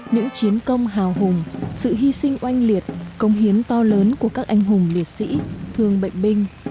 những chiến công hào hùng sự hy sinh oanh liệt công hiến to lớn của các anh hùng liệt sĩ thương bệnh binh